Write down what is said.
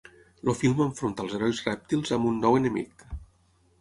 El film enfronta els herois rèptils amb un nou enemic.